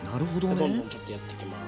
どんどんちょっとやっていきます。